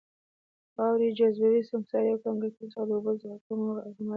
خاورې، جاذبوي سنګکارۍ او کانکریتو څخه د اوبو د ذخیره کولو په موخه اعماريږي.